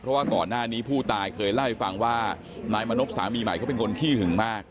เพราะว่าก่อนหน้านี้ผู้ตายเคยเล่าให้ฟังว่านายมณพสามีใหม่เขาเป็นคนขี้หึงมาก